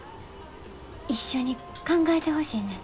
一緒に考えてほしいねん。